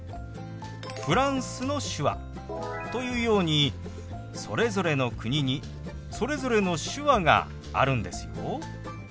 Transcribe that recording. フランスの手話というようにそれぞれの国にそれぞれの手話があるんですよ。